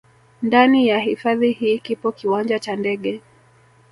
Ndani ya hifadhi hii kipo kiwanja cha ndege